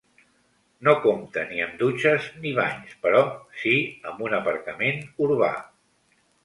No compta ni amb dutxes ni banys, però sí amb un aparcament urbà.